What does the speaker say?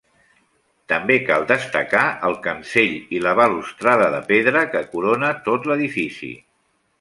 També cal destacar el cancell i la balustrada de pedra que corona tot l'edifici.